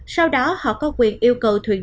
sau đó họ có quyền yêu cầu thuyền